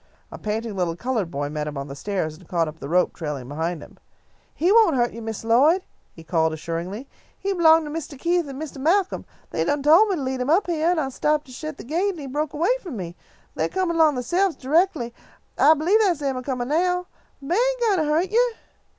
A panting little coloured boy met him on the stairs and caught up the rope trailing behind him. "He won't hurt you, Miss Lloyd," he called, assuringly. "He b'long to Mistah Keith an' Mistah Malcolm. They done tole me to lead him up heah, and I stopped to shet the gate an' he broke away from me. They comin' 'long theyselves, toreckly, I b'lieve that's them a comin' now. The beah ain't gwine to hurt you."